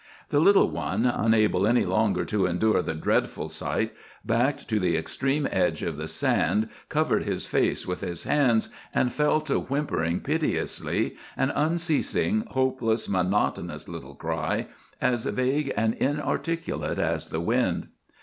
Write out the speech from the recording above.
The little one, unable any longer to endure the dreadful sight, backed to the extreme edge of the sand, covered his face with his hands, and fell to whimpering piteously, an unceasing, hopeless, monotonous little cry, as vague and inarticulate as the wind.